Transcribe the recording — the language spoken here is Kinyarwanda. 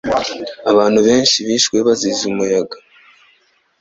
Abantu benshi bishwe bazize umuyaga.